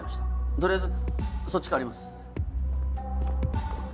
取りあえずそっち帰ります。